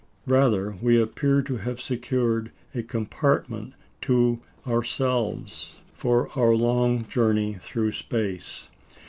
Rather, we appear to have secured a compartment to ourselves for our long journey through space.